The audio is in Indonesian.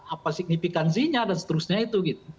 apa signifikansinya dan seterusnya itu gitu